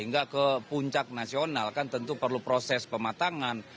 nggak ke puncak nasional kan tentu perlu proses pematangan